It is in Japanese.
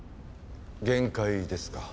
限界ですか？